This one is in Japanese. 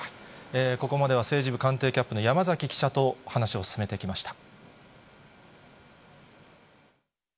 ここまでは政治部官邸キャップの山崎記者と話を進めてきました。